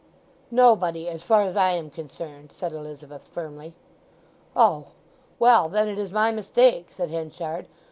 "Nobody, as far as I am concerned," said Elizabeth firmly. "Oh—well. Then it is my mistake," said Henchard.